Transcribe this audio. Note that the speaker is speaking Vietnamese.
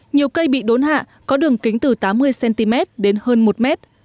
nhiều cây bị đốn hạ có đường kính từ tám mươi cm đến hơn một m